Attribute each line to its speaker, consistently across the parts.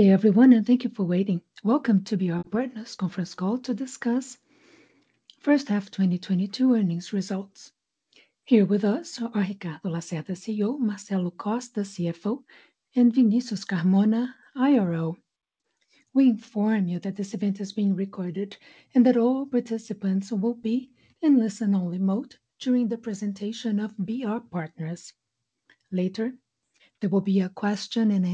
Speaker 1: Good day everyone, and thank you for waiting. Welcome to BR Partners conference call to discuss first half 2022 earnings results. Here with us are Ricardo Lacerda, CEO, Marcelo Costa, CFO, and Vinicius Carmona, IRO. We inform you that this event is being recorded and that all participants will be in listen only mode during the presentation of BR Partners. Later, there will be a question and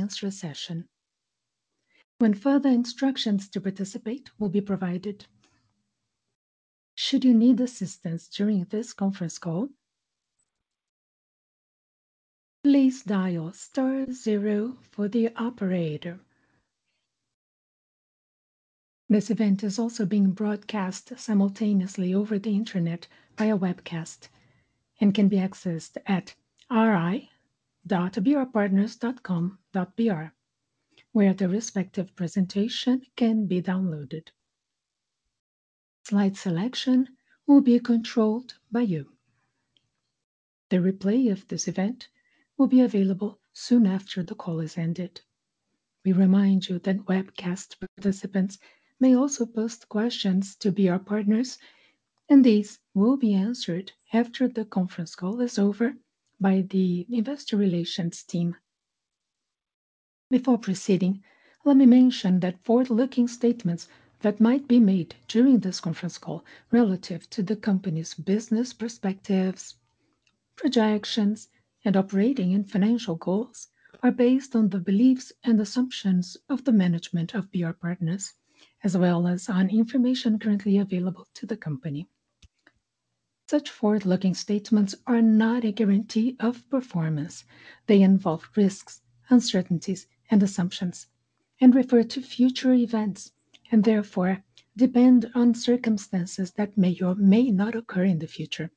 Speaker 1: answer session when further instructions to participate will be provided. Should you need assistance during this conference call, please dial star zero for the operator. This event is also being broadcast simultaneously over the internet via webcast and can be accessed at ri.brpartners.com.br where the respective presentation can be downloaded. Slide selection will be controlled by you. The replay of this event will be available soon after the call has ended. We remind you that webcast participants may also post questions to BR Partners, and these will be answered after the conference call is over by the investor relations team. Before proceeding, let me mention that forward-looking statements that might be made during this conference call relative to the company's business perspectives, projections, and operating and financial goals are based on the beliefs and assumptions of the management of BR Partners, as well as on information currently available to the company. Such forward-looking statements are not a guarantee of performance. They involve risks, uncertainties, and assumptions, and refer to future events, and therefore depend on circumstances that may or may not occur in the future.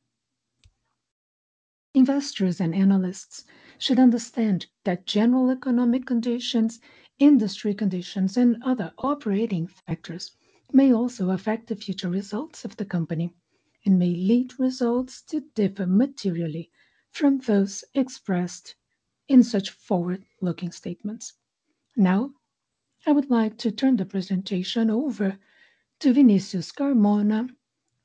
Speaker 1: Investors and analysts should understand that general economic conditions, industry conditions, and other operating factors may also affect the future results of the company and may lead results to differ materially from those expressed in such forward-looking statements. Now I would like to turn the presentation over to Vinicius Carmona,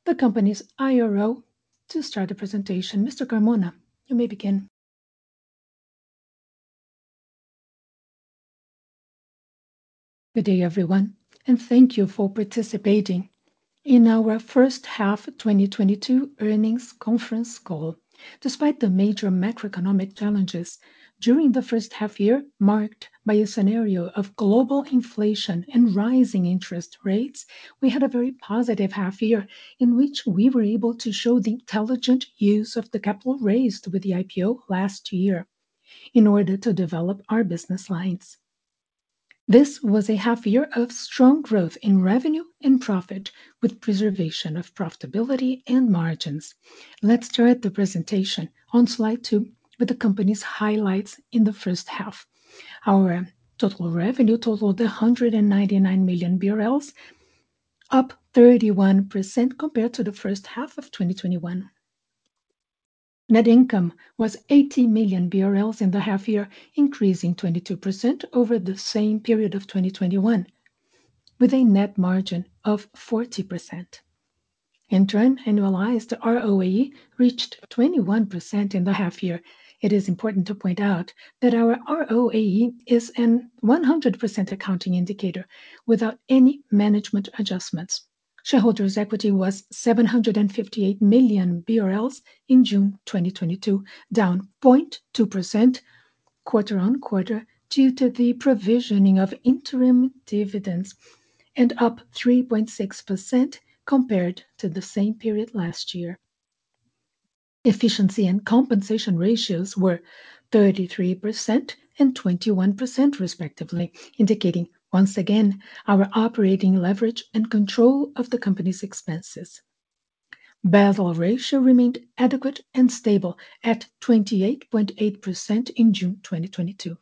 Speaker 1: the company's IRO, to start the presentation. Mr. Carmona, you may begin.
Speaker 2: Good day, everyone, and thank you for participating in our first half 2022 earnings conference call. Despite the major macroeconomic challenges during the first half year marked by a scenario of global inflation and rising interest rates, we had a very positive half year in which we were able to show the intelligent use of the capital raised with the IPO last year in order to develop our business lines. This was a half year of strong growth in revenue and profit with preservation of profitability and margins. Let's start the presentation on slide two with the company's highlights in the first half. Our total revenue totaled 199 million BRL, up 31% compared to the first half of 2021. Net income was 80 million BRL in the half year, increasing 22% over the same period of 2021 with a net margin of 40%. In turn, annualized ROAE reached 21% in the half year. It is important to point out that our ROAE is a 100% accounting indicator without any management adjustments. Shareholders' equity was 758 million BRL in June 2022, down 0.2% quarter-on-quarter due to the provisioning of interim dividends and up 3.6% compared to the same period last year. Efficiency and compensation ratios were 33% and 21% respectively, indicating once again our operating leverage and control of the company's expenses. Basel ratio remained adequate and stable at 28.8% in June 2022.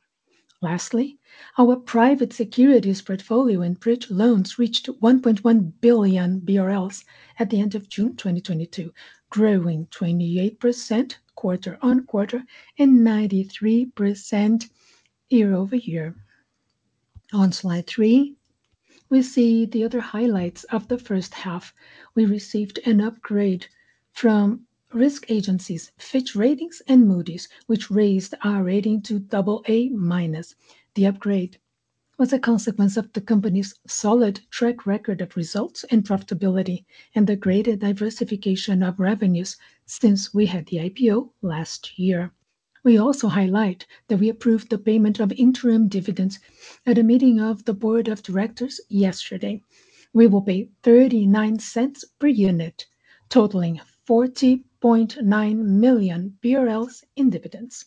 Speaker 2: Our private securities portfolio and bridge loans reached 1.1 billion BRL at the end of June 2022, growing 28% quarter-on-quarter and 93% year-over-year. On slide three, we see the other highlights of the first half. We received an upgrade from risk agencies Fitch Ratings and Moody's, which raised our rating to AA-. The upgrade was a consequence of the company's solid track record of results and profitability and the greater diversification of revenues since we had the IPO last year. We also highlight that we approved the payment of interim dividends at a meeting of the board of directors yesterday. We will pay 39 cents per unit, totaling 40.9 million BRL in dividends.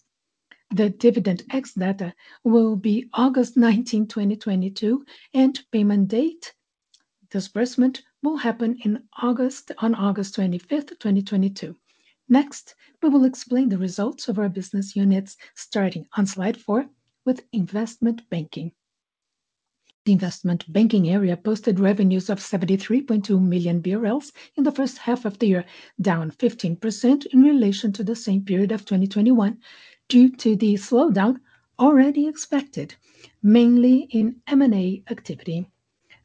Speaker 2: The dividend ex-date will be August nineteenth, 2022, and payment date disbursement will happen in August, on August twenty-fifth, 2022. Next, we will explain the results of our business units starting on slide four with investment banking. The investment banking area posted revenues of 73.2 million BRL in the first half of the year, down 15% in relation to the same period of 2021 due to the slowdown already expected, mainly in M&A activity.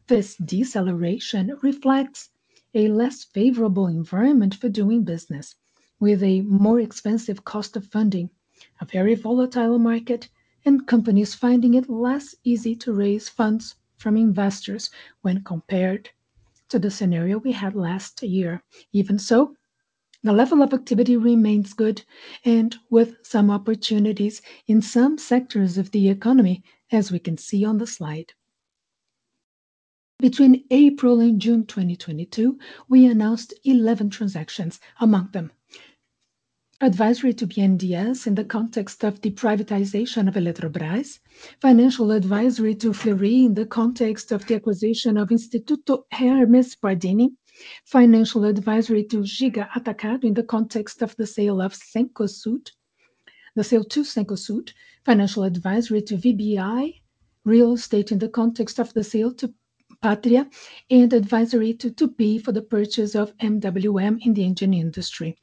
Speaker 2: This deceleration reflects a less favorable environment for doing business, with a more expensive cost of funding, a very volatile market, and companies finding it less easy to raise funds from investors when compared to the scenario we had last year. Even so, the level of activity remains good and with some opportunities in some sectors of the economy, as we can see on the slide. Between April and June 2022, we announced 11 transactions. Among them, advisory to BNDES in the context of the privatization of Eletrobras. Financial advisory to Fleury in the context of the acquisition of Instituto Hermes Pardini. Financial advisory to Giga Atacado in the context of the sale to Cencosud. Financial advisory to VBI Real Estate in the context of the sale to Pátria. Advisory to Tupy for the purchase of MWM in the engine industry.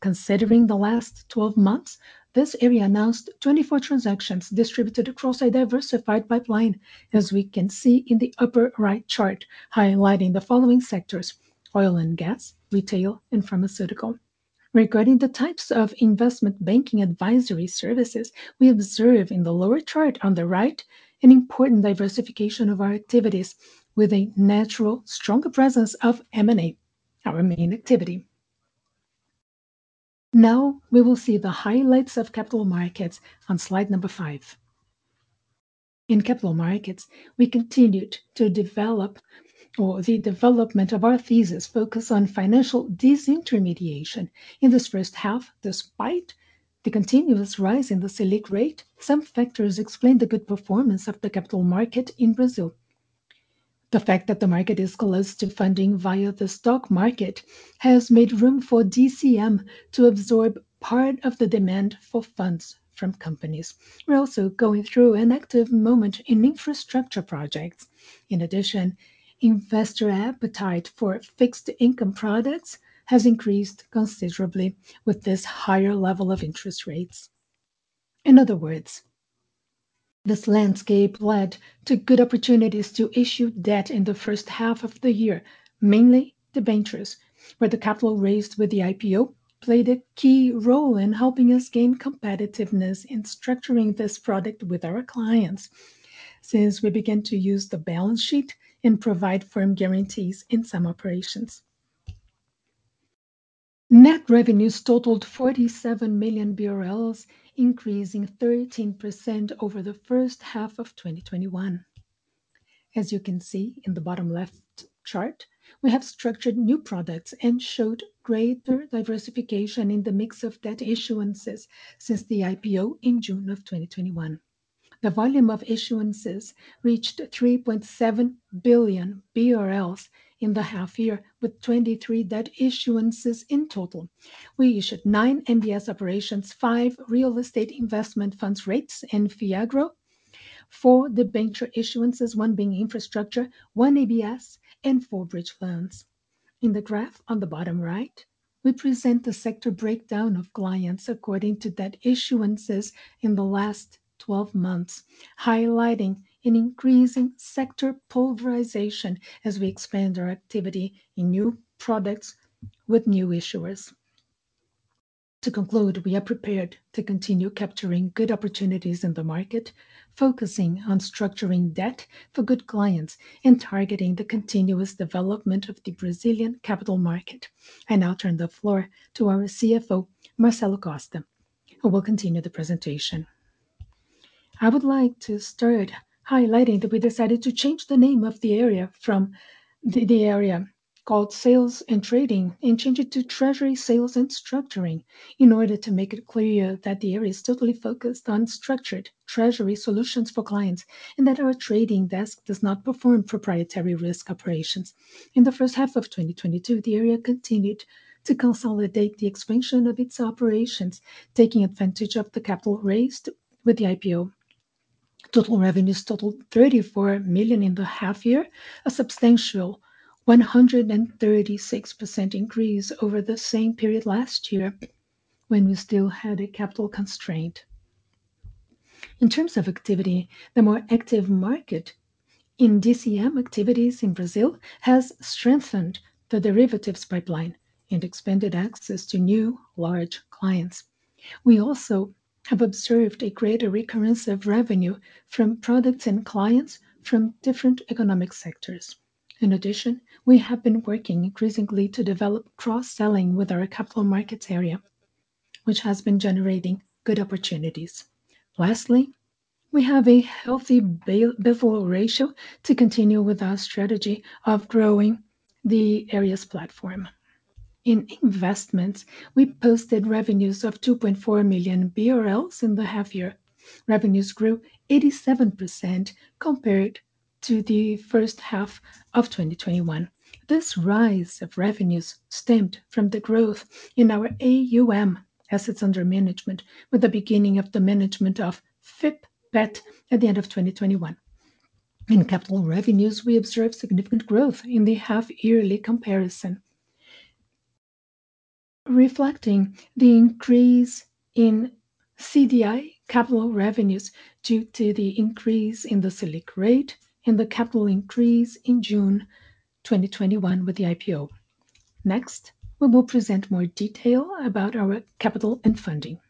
Speaker 2: Considering the last 12 months, this area announced 24 transactions distributed across a diversified pipeline, as we can see in the upper right chart, highlighting the following sectors: oil and gas, retail, and pharmaceutical. Regarding the types of investment banking advisory services, we observe in the lower chart on the right an important diversification of our activities with a natural, strong presence of M&A, our main activity. Now we will see the highlights of capital markets on slide number 5. In capital markets, we continued the development of our thesis focused on financial disintermediation. In this first half, despite the continuous rise in the Selic rate, some factors explained the good performance of the capital market in Brazil. The fact that the market is closed to funding via the stock market has made room for DCM to absorb part of the demand for funds from companies. We're also going through an active moment in infrastructure projects. In addition, investor appetite for fixed income products has increased considerably with this higher level of interest rates. In other words, this landscape led to good opportunities to issue debt in the first half of the year, mainly debentures. Where the capital raised with the IPO played a key role in helping us gain competitiveness in structuring this product with our clients since we began to use the balance sheet and provide firm guarantees in some operations. Net revenues totaled 47 million BRL, increasing 13% over the first half of 2021. As you can see in the bottom left chart, we have structured new products and showed greater diversification in the mix of debt issuances since the IPO in June of 2021. The volume of issuances reached 3.7 billion BRL in the half year, with 23 debt issuances in total. We issued nine MBS operations, five real estate investment funds rates in Fiagro, 4 debenture issuances, one being infrastructure, one ABS, and four bridge loans. In the graph on the bottom right, we present the sector breakdown of clients according to debt issuances in the last 12 months, highlighting an increasing sector polarization as we expand our activity in new products with new issuers. To conclude, we are prepared to continue capturing good opportunities in the market, focusing on structuring debt for good clients and targeting the continuous development of the Brazilian capital market. I now turn the floor to our CFO, Marcelo Costa, who will continue the presentation.
Speaker 3: I would like to start highlighting that we decided to change the name of the area from the area called Sales and Trading and change it to Treasury, Sales and Structuring in order to make it clear that the area is totally focused on structured treasury solutions for clients and that our trading desk does not perform proprietary risk operations. In the first half of 2022, the area continued to consolidate the expansion of its operations, taking advantage of the capital raised with the IPO. Total revenues totaled 34 million in the half year, a substantial 136% increase over the same period last year when we still had a capital constraint. In terms of activity, the more active market in DCM activities in Brazil has strengthened the derivatives pipeline and expanded access to new large clients. We also have observed a greater recurrence of revenue from products and clients from different economic sectors. In addition, we have been working increasingly to develop cross-selling with our capital markets area, which has been generating good opportunities. We have a healthy balance sheet to continue with our strategy of growing the areas platform. In investments, we posted revenues of 2.4 million BRL in the half year. Revenues grew 87% compared to the first half of 2021. This rise of revenues stemmed from the growth in our AUM, assets under management, with the beginning of the management of FIP Pet at the end of 2021. In capital revenues, we observed significant growth in the half-yearly comparison, reflecting the increase in CDI capital revenues due to the increase in the Selic rate and the capital increase in June 2021 with the IPO. Next, we will present more detail about our capital and funding.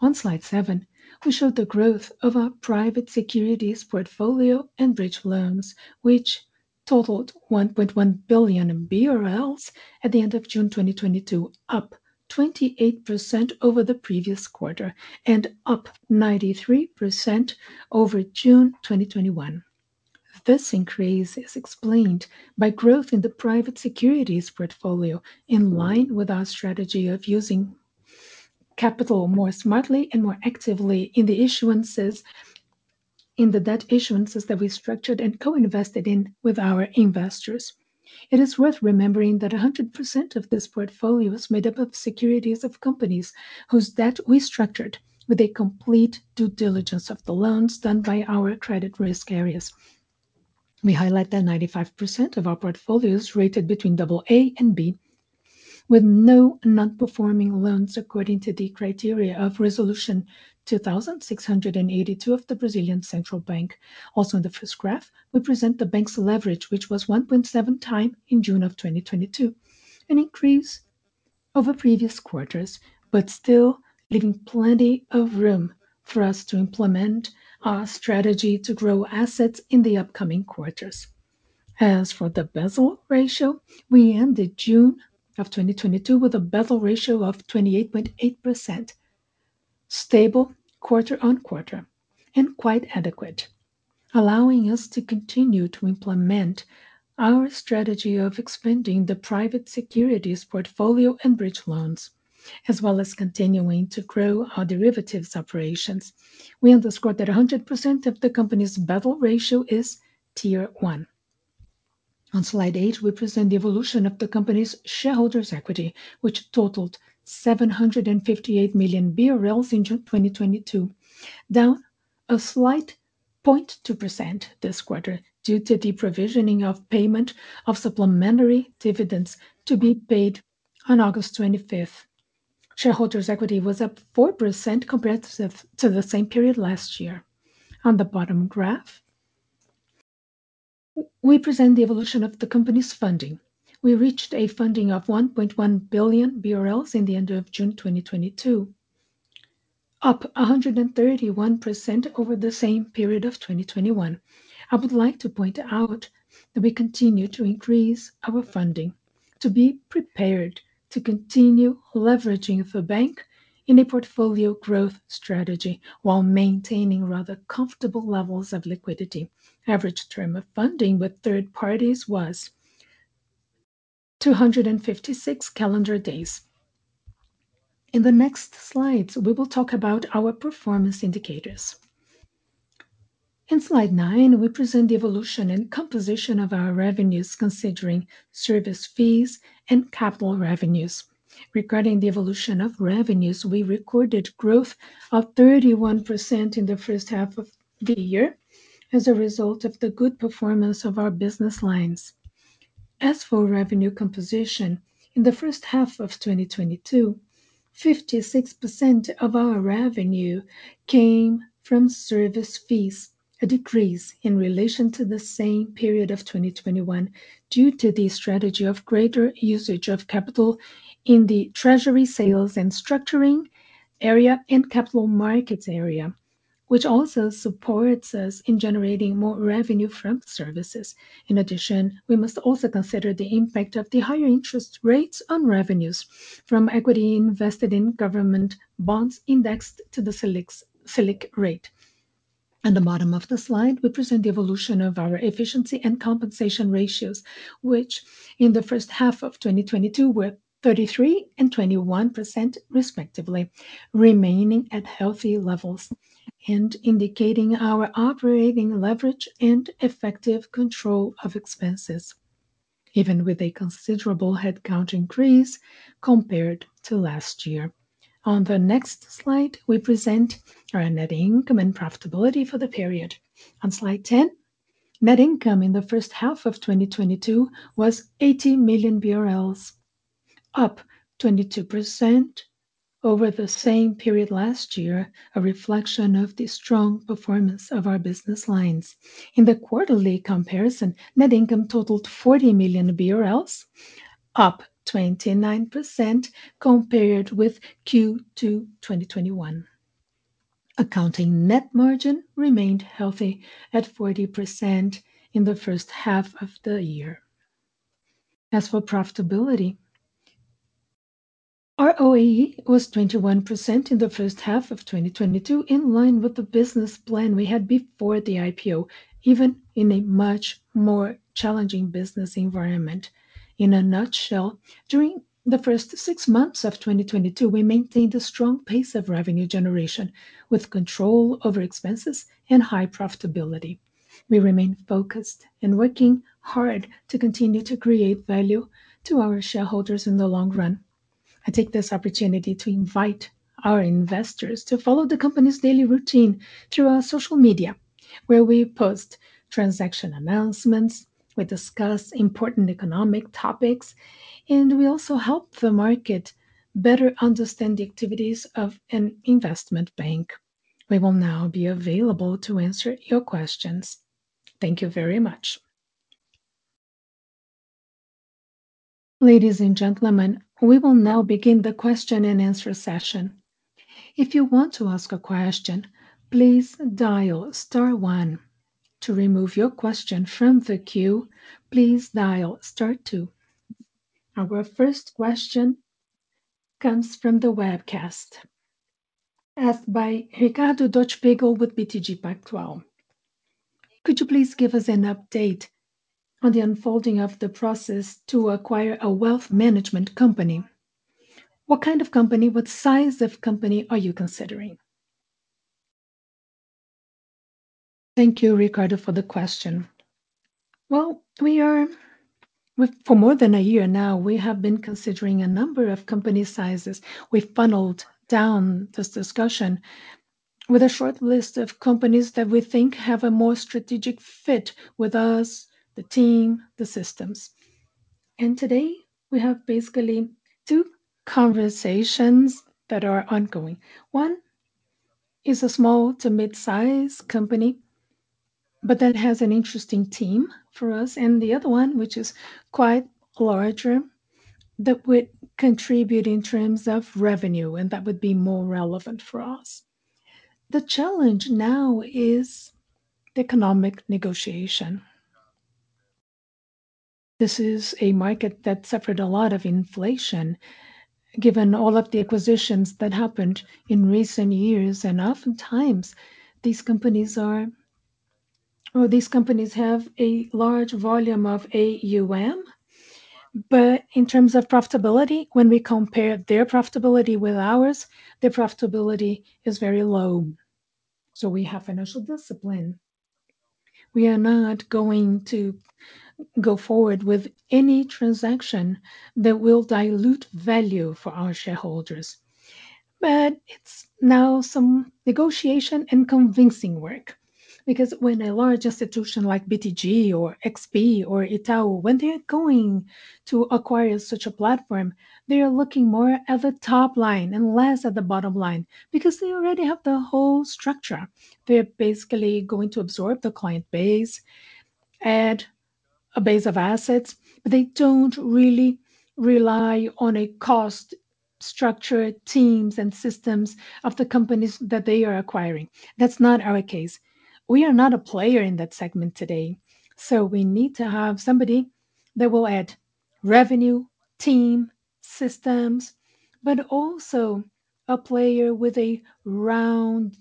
Speaker 3: On slide seven, we show the growth of our private securities portfolio and bridge loans, which totaled 1.1 billion BRL at the end of June 2022, up 28% over the previous quarter and up 93% over June 2021. This increase is explained by growth in the private securities portfolio, in line with our strategy of using capital more smartly and more actively in the debt issuances that we structured and co-invested in with our investors. It is worth remembering that 100% of this portfolio is made up of securities of companies whose debt we structured with a complete due diligence of the loans done by our credit risk areas. We highlight that 95% of our portfolio is rated between double A and B, with no non-performing loans according to the criteria of Resolution 2682 of the Brazilian Central Bank. In the first graph, we present the bank's leverage, which was 1.7x in June of 2022, an increase over previous quarters, but still leaving plenty of room for us to implement our strategy to grow assets in the upcoming quarters. As for the Basel ratio, we ended June of 2022 with a Basel ratio of 28.8%, stable quarter-over-quarter, and quite adequate, allowing us to continue to implement our strategy of expanding the private securities portfolio and bridge loans, as well as continuing to grow our derivatives operations. We underscore that 100% of the company's Basel ratio is Tier 1. On Slide 8, we present the evolution of the company's shareholders' equity, which totaled 758 million BRL in June 2022, down a slight 0.2% this quarter due to the provision of payment of supplementary dividends to be paid on August 25. Shareholders' equity was up 4% compared to the same period last year. On the bottom graph, we present the evolution of the company's funding. We reached a funding of 1.1 billion BRL at the end of June 2022, up 131% over the same period of 2021. I would like to point out that we continue to increase our funding to be prepared to continue leveraging the bank in a portfolio growth strategy while maintaining rather comfortable levels of liquidity. Average term of funding with third parties was 256 calendar days. In the next slides, we will talk about our performance indicators. In slide 9, we present the evolution and composition of our revenues considering service fees and capital revenues. Regarding the evolution of revenues, we recorded growth of 31% in the first half of the year as a result of the good performance of our business lines. As for revenue composition, in the first half of 2022, 56% of our revenue came from service fees, a decrease in relation to the same period of 2021 due to the strategy of greater usage of capital in the Treasury, Sales and Structuring area and Capital Markets area, which also supports us in generating more revenue from services. In addition, we must also consider the impact of the higher interest rates on revenues from equity invested in government bonds indexed to the Selic rate.
Speaker 2: In the bottom of the slide, we present the evolution of our efficiency and compensation ratios, which in the first half of 2022 were 33% and 21%, respectively, remaining at healthy levels and indicating our operating leverage and effective control of expenses, even with a considerable headcount increase compared to last year. On the next slide, we present our net income and profitability for the period. On slide 10, net income in the first half of 2022 was 80 million BRL, up 22% over the same period last year, a reflection of the strong performance of our business lines. In the quarterly comparison, net income totaled 40 million BRL, up 29% compared with Q2 2021. Accounting net margin remained healthy at 40% in the first half of the year.
Speaker 3: As for profitability, our ROE was 21% in the first half of 2022, in line with the business plan we had before the IPO, even in a much more challenging business environment. In a nutshell, during the first six months of 2022, we maintained a strong pace of revenue generation with control over expenses and high profitability. We remain focused and working hard to continue to create value to our shareholders in the long run. I take this opportunity to invite our investors to follow the company's daily routine through our social media where we post transaction announcements, we discuss important economic topics, and we also help the market better understand the activities of an investment bank. We will now be available to answer your questions. Thank you very much.
Speaker 1: Ladies and gentlemen, we will now begin the question and answer session. If you want to ask a question, please dial star one. To remove your question from the queue, please dial star two. Our first question comes from the webcast, asked by Ricardo Buchpiguel with BTG Pactual. Could you please give us an update on the unfolding of the process to acquire a wealth management company? What kind of company, what size of company are you considering?
Speaker 4: Thank you, Ricardo, for the question. Well, for more than a year now, we have been considering a number of company sizes. We funneled down this discussion with a short list of companies that we think have a more strategic fit with us, the team, the systems. Today, we have basically two conversations that are ongoing. One is a small to mid-size company, but that has an interesting team for us. The other one, which is quite larger, that would contribute in terms of revenue, and that would be more relevant for us. The challenge now is the economic negotiation. This is a market that suffered a lot of inflation given all of the acquisitions that happened in recent years. Oftentimes, these companies have a large volume of AUM. In terms of profitability, when we compare their profitability with ours, their profitability is very low. We have financial discipline. We are not going to go forward with any transaction that will dilute value for our shareholders. It's now some negotiation and convincing work, because when a large institution like BTG or XP or Itaú, when they're going to acquire such a platform, they are looking more at the top line and less at the bottom line, because they already have the whole structure. They're basically going to absorb the client base, add a base of assets. They don't really rely on a cost structure, teams, and systems of the companies that they are acquiring. That's not our case. We are not a player in that segment today, so we need to have somebody that will add revenue, team, systems, but also a player with a round,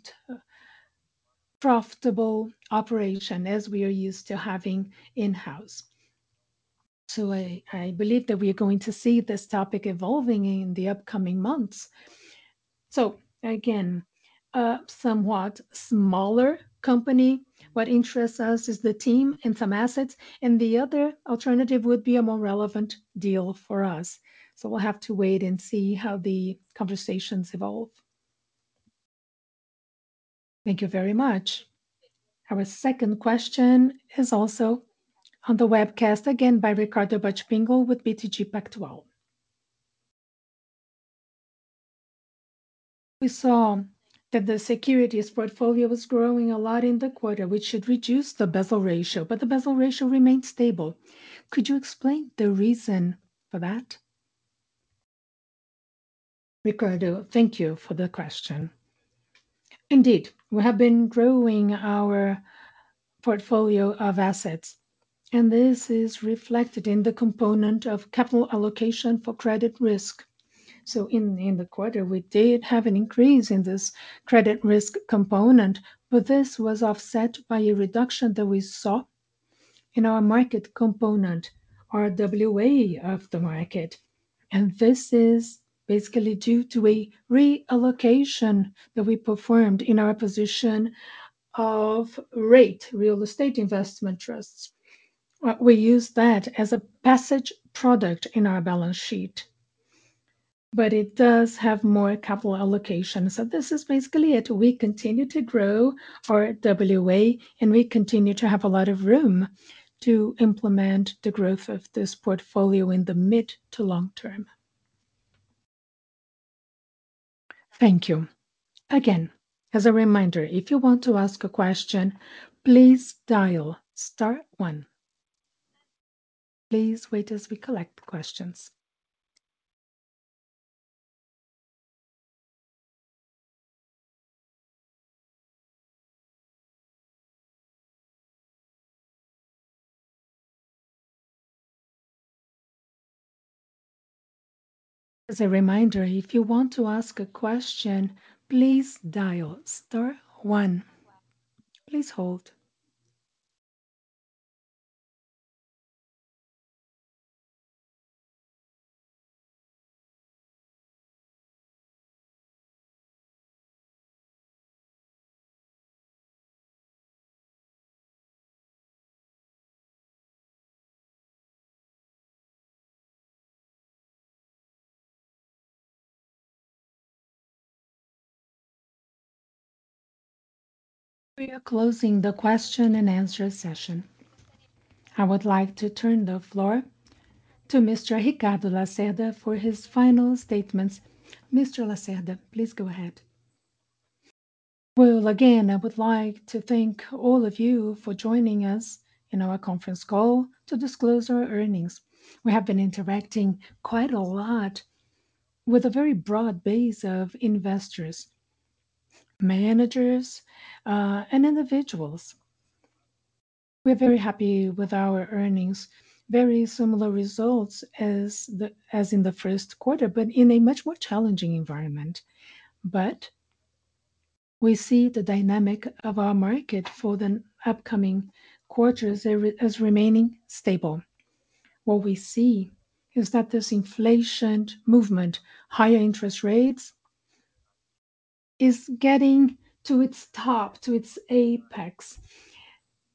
Speaker 4: profitable operation as we are used to having in-house. I believe that we are going to see this topic evolving in the upcoming months. Again, a somewhat smaller company. What interests us is the team and some assets, and the other alternative would be a more relevant deal for us. We'll have to wait and see how the conversations evolve.
Speaker 1: Thank you very much. Our second question is also on the webcast, again by Ricardo Buchpiguel with BTG Pactual. We saw that the securities portfolio was growing a lot in the quarter, which should reduce the Basel ratio, but the Basel ratio remained stable. Could you explain the reason for that?
Speaker 4: Ricardo, thank you for the question. Indeed, we have been growing our portfolio of assets, and this is reflected in the component of capital allocation for credit risk. In the quarter, we did have an increase in this credit risk component, but this was offset by a reduction that we saw in our market component, RWA of the market. This is basically due to a reallocation that we performed in our position in REIT, real estate investment trusts. We use that as a passive product in our balance sheet. It does have more capital allocation. This is basically it. We continue to grow our RWA, and we continue to have a lot of room to implement the growth of this portfolio in the mid- to long-term.
Speaker 1: Thank you. Again, as a reminder, if you want to ask a question, please dial star one. Please wait as we collect questions. As a reminder, if you want to ask a question, please dial star one. Please hold. We are closing the question and answer session. I would like to turn the floor to Mr. Ricardo Lacerda for his final statements. Mr. Lacerda, please go ahead.
Speaker 4: Well, again, I would like to thank all of you for joining us in our conference call to disclose our earnings. We have been interacting quite a lot with a very broad base of investors, managers, and individuals. We're very happy with our earnings. Very similar results as in the first quarter, but in a much more challenging environment. We see the dynamic of our market for the upcoming quarters as remaining stable. What we see is that this inflation movement, higher interest rates, is getting to its top, to its apex,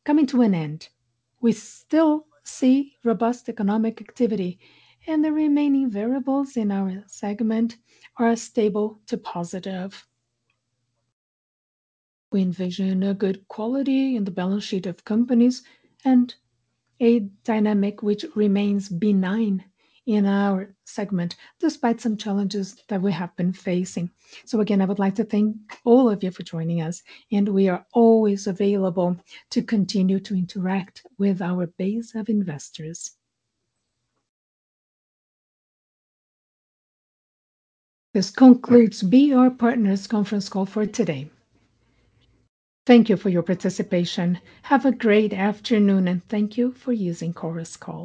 Speaker 4: coming to an end. We still see robust economic activity, and the remaining variables in our segment are stable to positive. We envision a good quality in the balance sheet of companies and a dynamic which remains benign in our segment, despite some challenges that we have been facing.
Speaker 1: Again, I would like to thank all of you for joining us, and we are always available to continue to interact with our base of investors. This concludes BR Partners' conference call for today. Thank you for your participation. Have a great afternoon, and thank you for using Chorus Call.